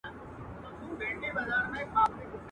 راته مه ګوره میدان د ښکلیو نجونو.